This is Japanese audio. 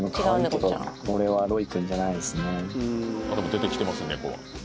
出てきてます猫は。